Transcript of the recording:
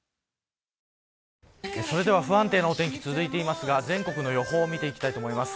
それでは不安定なお天気続いてますが全国の予報を見ていきます。